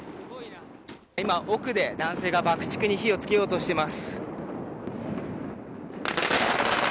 今、奥で男性が爆竹に火をつけようとしています。